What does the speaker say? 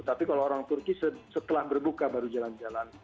tapi kalau orang turki setelah berbuka baru jalan jalan